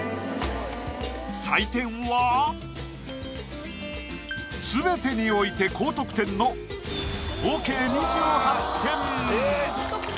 採点は全てにおいて高得点の合計２８点。